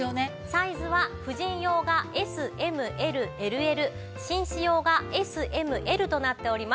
サイズは婦人用がＳＭＬＬＬ紳士用がＳＭＬとなっております。